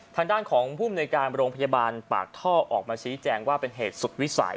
ทางด้านของภูมิในการโรงพยาบาลปากท่อออกมาชี้แจงว่าเป็นเหตุสุดวิสัย